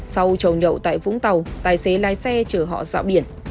sau trầu nhậu tại vũng tàu tài xế lái xe chở họ dạo biển